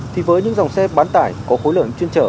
thì với những dòng xe bán tải có khối lượng chuyên trở